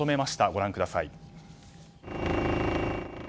ご覧ください。